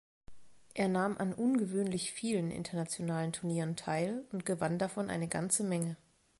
Er nahm an ungewöhnlich vielen internationalen Turnieren teil und gewann davon eine ganze Menge.